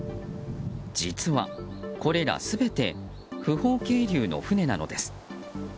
実は、これら全て不法係留の船なのです。